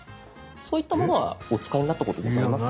そういったものはお使いになったことございますか？